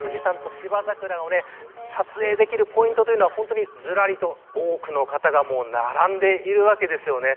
奇麗な富士山と芝桜を撮影できるポイントは本当にずらりと多くの方が並んでいるわけですよね。